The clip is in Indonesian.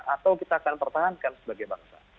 atau kita akan pertahankan sebagai bangsa